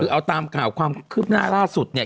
คือเอาตามค่าวของการคืบหน้าร่าสุดเนี่ย